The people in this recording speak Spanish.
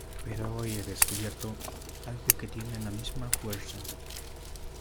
pero hoy he descubierto algo que tiene la misma fuerza.